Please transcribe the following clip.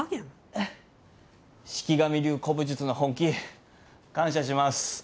四鬼神流古武術の本気感謝します。